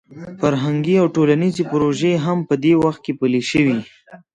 فرهنګي او ټولنیزې پروژې هم په دې وخت کې پلې شوې.